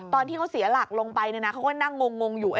ตอนที่เขาเสียหลักลงไปเขาก็นั่งงงอยู่